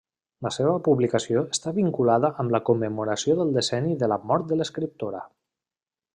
La seva publicació està vinculada amb la commemoració del decenni de la mort de l'escriptora.